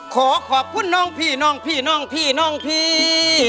ขอขอบคุณน้องพี่น้องพี่น้องพี่น้องพี่